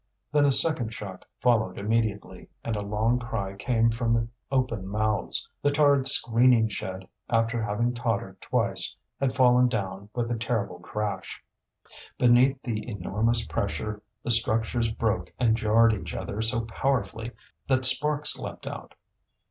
Then a second shock followed immediately, and a long cry came from open mouths; the tarred screening shed, after having tottered twice, had fallen down with a terrible crash. Beneath the enormous pressure the structures broke and jarred each other so powerfully that sparks leapt out.